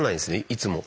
いつも。